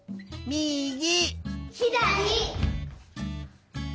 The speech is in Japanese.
みぎ！